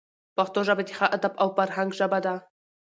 پښتو ژبه د ښه ادب او فرهنګ ژبه ده.